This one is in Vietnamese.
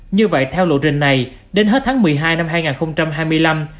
như vậy theo lộ trình này đến hết tháng một mươi hai năm hai nghìn hai mươi năm